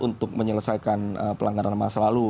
untuk menyelesaikan pelanggaran masa lalu